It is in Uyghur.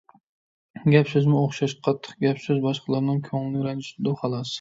گەپ-سۆزمۇ ئوخشاش. قاتتىق گەپ-سۆز باشقىلارنىڭ كۆڭلىنى رەنجىتىدۇ، خالاس.